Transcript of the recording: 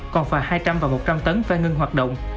còn phạt hai trăm linh và một trăm linh tấn phải ngưng hoạt động